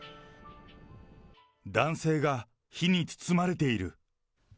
男性が火に包まれている。